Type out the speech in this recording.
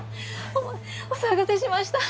お騒がせしました